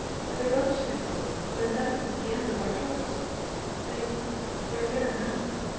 If they got Shiftel, then that was the end of our troubles. They they are there now.